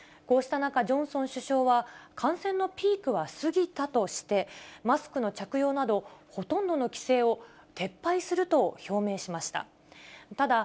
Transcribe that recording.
こうした中、ジョンソン首相は感染のピークは過ぎたとして、マスクの着用など、ほとんどの規制を撤廃すると表明しました。